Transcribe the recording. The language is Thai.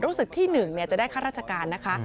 รู้สึกที่๑จะได้ข้าราชการนะคะ